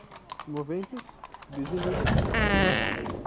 semoventes, bis in idem